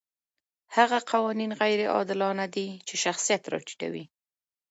هغه قوانین غیر عادلانه دي چې شخصیت راټیټوي.